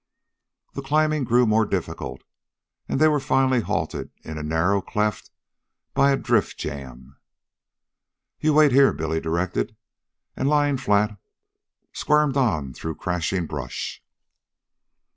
The climbing grew more difficult, and they were finally halted, in a narrow cleft, by a drift jam. "You wait here," Billy directed, and, lying flat, squirmed on through crashing brush.